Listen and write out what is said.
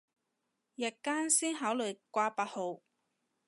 日間先考慮掛八號